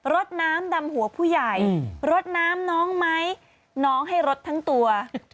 รถน้ำดำหัวผู้ใหญ่รดน้ำน้องไหมน้องให้รดทั้งตัว